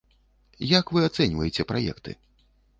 Як вы ацэньваеце праекты?